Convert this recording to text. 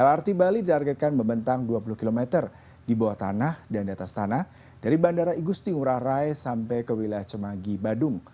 lrt bali ditargetkan membentang dua puluh km di bawah tanah dan di atas tanah dari bandara igusti ngurah rai sampai ke wilayah cemagi badung